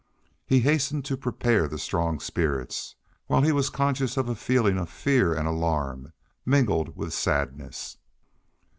He hastened to prepare the strong spirits, while he was conscious of a feeling of fear and alarm, mingled with sadness.